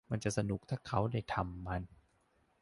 มันจะสนุกถ้าเขาได้ทำมัน